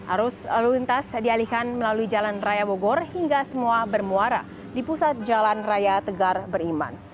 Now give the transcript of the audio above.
arus lalu lintas dialihkan melalui jalan raya bogor hingga semua bermuara di pusat jalan raya tegar beriman